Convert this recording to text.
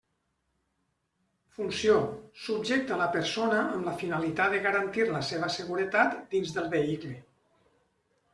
Funció: subjecta la persona amb la finalitat de garantir la seva seguretat dins del vehicle.